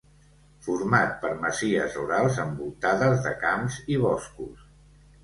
Format per masies rurals envoltades de camps i boscos.